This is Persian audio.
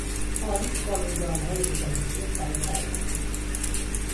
تاریخ با رویدادهای گذشته سر و کار دارد.